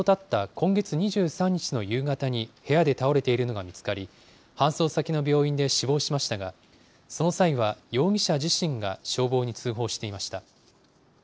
今月２３日の夕方に部屋で倒れているのが見つかり、搬送先の病院で死亡しましたが、その際は、容疑者自身が消防に通報していました。